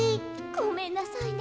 ごめんなさいね。